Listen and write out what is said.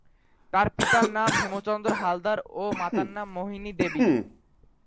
তার পিতার নাম হেমচন্দ্র হালদার ও মাতার নাম মোহিনী দেবী।